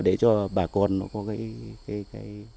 để cho bà con có cái